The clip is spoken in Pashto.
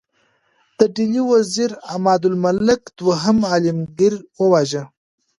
د ډهلي وزیر عمادالملک دوهم عالمګیر وواژه.